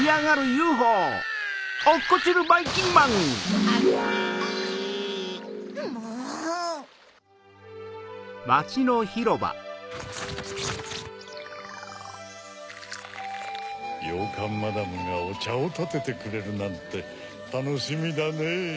ヨーカンマダムがおちゃをたててくれるなんてたのしみだね。